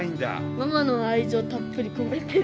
ママの愛情たっぷり込めてる。